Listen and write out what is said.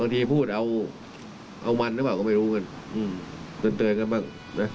เตือนกันบ้าง